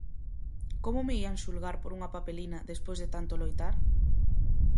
Como me ían xulgar por unha papelina despois de tanto loitar?